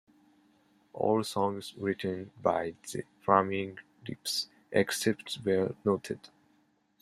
All songs written by The Flaming Lips except where noted.